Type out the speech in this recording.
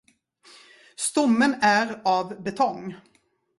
Stommen är av betong.